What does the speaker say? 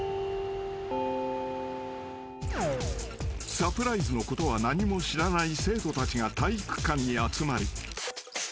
［サプライズのことは何も知らない生徒たちが体育館に集まり］